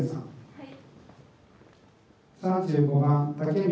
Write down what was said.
はい。